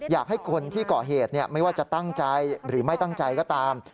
อยากให้คนที่ก่อเหตุไม่ว่าจะตั้งใจหรือไม่ตั้งใจก็ตาม